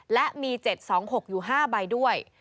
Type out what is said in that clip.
และมี๗๒๖อยู่๕ใบด้วย